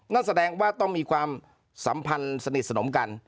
นั่นแสดงว่าต้องมีความสัมพันธ์สนิทสนมกัน